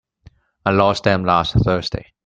I lost them last Thursday.